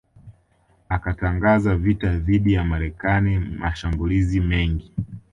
akatangaza vita dhidi ya Marekani mashambulizi mengi